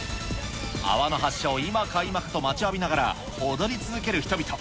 泡の発射を今か今かと待ちわびながら、踊り続ける人々。